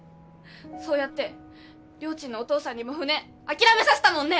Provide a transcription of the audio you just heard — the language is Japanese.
そうやってりょーちんのお父さんにも船諦めさせたもんね！